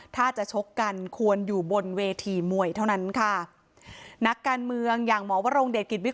ถ้าจะชกกันควรอยู่บนเวทีมวยเท่านั้นค่ะนักการเมืองอย่างหมอวรงเดชกิจวิทย